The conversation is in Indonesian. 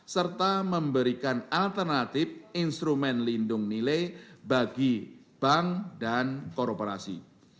serta memberikan alternatif instrumen lindung nilai bagi bank dan korporasi